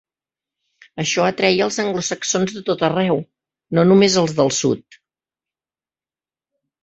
Això atreia els anglosaxons de tot arreu, no només als del sud.